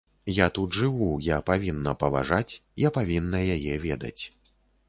Я тут жыву, я павінна паважаць, я павінна яе ведаць.